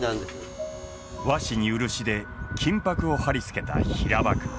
和紙に漆で金箔を貼り付けた平箔。